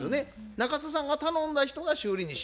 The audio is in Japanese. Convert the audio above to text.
中田さんが頼んだ人が修理に失敗した。